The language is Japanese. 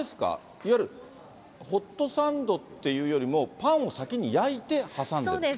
いわゆるホットサンドっていうよりも、パンを先に焼いて挟んでるそうです。